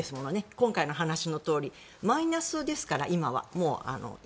今回の話のとおりマイナスですから、今は。